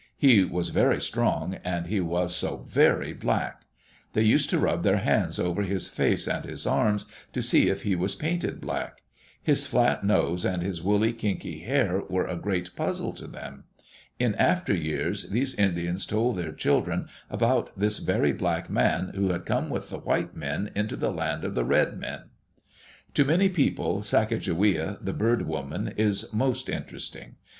He was very strong, and he was so very black. They used to rub their hands over his face and his arms to see if he was painted black. His flat nose and his woolly, kinky hair were a great puzzle to them. In after years these Indians told their children about this very black man who had come with white men into the land of the red men. To many people, Sacajawea, the Bird Woman, is most interesting.